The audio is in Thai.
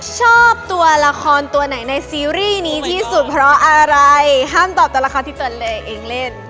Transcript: ชอบตัวละครตัวไหนในซีรีส์นี้ที่สุดเพราะอะไรห้ามตอบตัวละครที่เฟิร์นเลยเองเล่น